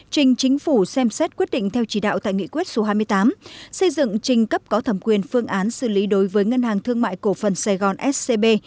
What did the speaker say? trình chính phủ xem xét quyết định theo chỉ đạo tại nghị quyết số hai mươi tám xây dựng trình cấp có thẩm quyền phương án xử lý đối với ngân hàng thương mại cổ phần sài gòn scb